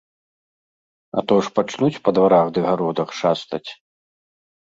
А то ж пачнуць па дварах ды гародах шастаць.